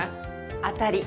当たり。